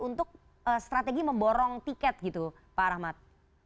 untuk strategi memborong tiket gitu pak rahmat